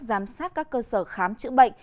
giám sát các cơ sở khám chữa bệnh